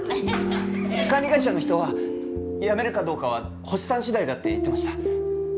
管理会社の人は辞めるかどうかは星さん次第だって言ってました。